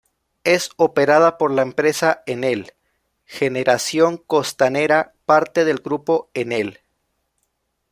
Es operada por la empresa Enel Generación Costanera, parte del Grupo Enel.